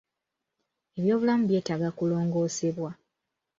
Ebyobulamu byetaaga kulongoosebwa.